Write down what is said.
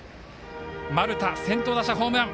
丸田、先頭打者ホームラン。